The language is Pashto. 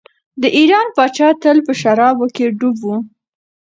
د ایران پاچا تل په شرابو کې ډوب و.